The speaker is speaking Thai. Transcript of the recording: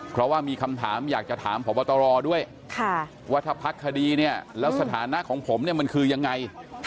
เพราะว่ามีคำถามอยากจะถามพบตรด้วยว่าถ้าพักคดีเนี่ยแล้วสถานะของผมเนี่ยมันคือยังไง